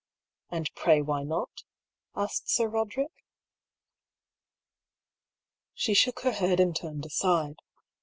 "And pray why not?" asked Sir Roderick. She shook her head and turned aside.